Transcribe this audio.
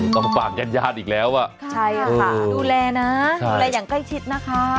ต้องฝากญาติญาติอีกแล้วอ่ะใช่ค่ะดูแลนะดูแลอย่างใกล้ชิดนะคะ